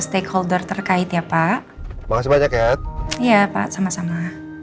stakeholder terkait ya pak makasih banyak ya iya pak sama sama